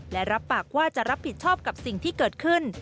และรับปากว่าจะรับผิดชอบกับสิ่งที่เกิดขึ้น